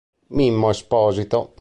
Mimmo Esposito